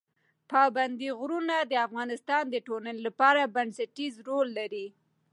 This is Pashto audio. پابندی غرونه د افغانستان د ټولنې لپاره بنسټيز رول لري.